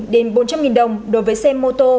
ba trăm linh đến bốn trăm linh đồng đối với xe mô tô